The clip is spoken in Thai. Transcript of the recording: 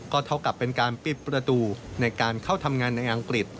เท่ากับเป็นการปิดประตูในการเข้าทำงานในอังกฤษ